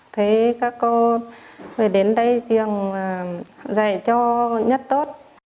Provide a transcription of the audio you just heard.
thấy các cô phải đến đây trường dạy cho nhất tốt